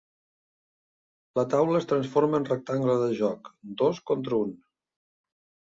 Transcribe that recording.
La taula es transforma en rectangle de joc, dos contra un.